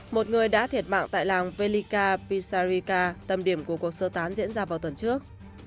một người đã thiệt mạng tại làng velica pisarika tầm điểm của cuộc sơ tán diễn ra vào tuần trước